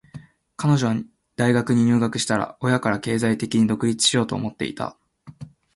彼女は大学に入学したら、親から経済的に独立しようと思っていた。